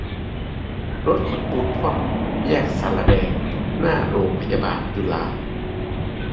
รถขนปูนคว่ำ แยกศาลาแดง หน้าโรงพยาบาลจุฬา